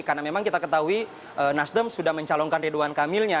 karena memang kita ketahui nasdem sudah mencalonkan ridwan kamilnya